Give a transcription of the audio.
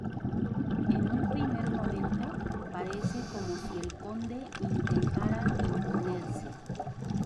En un primer momento, parece como si el conde intentara imponerse.